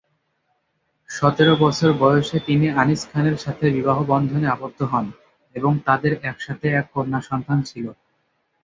সতেরো বছর বয়সে তিনি আনিস খানের সাথে বিবাহ বন্ধনে আবদ্ধ হন এবং তাদের একসাথে এক কন্যা সন্তান ছিল।